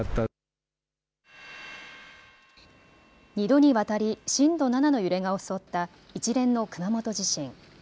２度にわたり震度７の揺れが襲った一連の熊本地震。